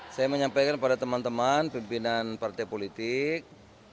saya menyampaikan kepada teman teman pimpinan partai politik